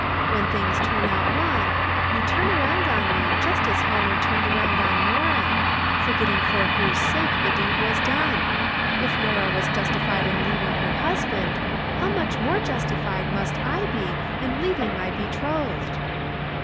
When things turn out wrong, you turn round on me just as Helmer turned round on Norah forgetting for whose sake the deed was done. If Norah was justified in leaving her husband, how much more justified must I be in leaving my betrothed!'"